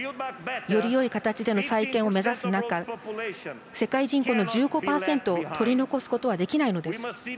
よりよい形での再建を目指す中世界人口の１５％を取り残すことはできないのです。